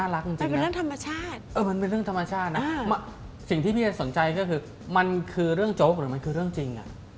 เรื่องธรรมชาตินะสิ่งที่พี่จะสนใจก็คือมันคือเรื่องโจ๊กหรือมันคือเรื่องจริง